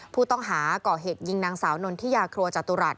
ผู้ต้องหาก่อเหตุยิงนางสาวนนทิยาครัวจตุรัส